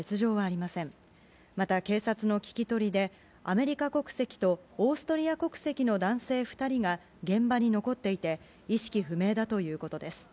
また警察の聴き取りで、アメリカ国籍とオーストリア国籍の男性２人が現場に残っていて、意識不明だということです。